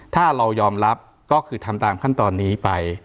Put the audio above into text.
ถ้าเรายอมรับก็คือทำตามขั้นตอนนี้ไป